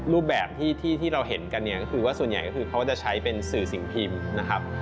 รูปแบบที่เราเห็นกันส่วนใหญ่ก็คือเขาจะใช้เป็นสื่อสิ่งพิมพ์